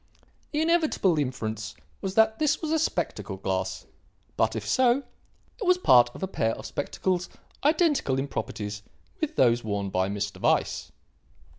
The inevitable inference was that this was a spectacle glass. But, if so, it was part of a pair of spectacles identical in properties with those worn by Mr. Weiss.